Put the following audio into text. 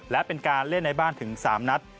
และเป็นการเล่นในบ้านถึง๓นัด